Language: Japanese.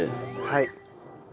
はい。